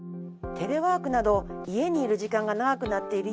テレワークなど家にいる時間が長くなっている